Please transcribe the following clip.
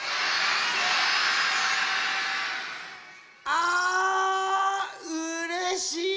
あうれしい！